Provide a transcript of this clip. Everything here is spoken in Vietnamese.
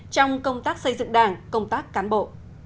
trong công tác xây dựng đảng công tác cán bộ